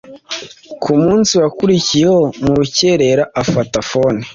kumunsi wakurikiyeho murukerera afata fone